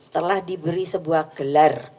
telah diberi sebuah gelar